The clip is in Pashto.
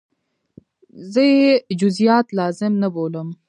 زه یې جزئیات لازم نه بولم.